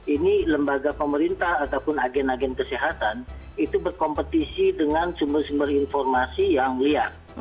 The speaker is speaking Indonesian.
ini lembaga pemerintah ataupun agen agen kesehatan itu berkompetisi dengan sumber sumber informasi yang liar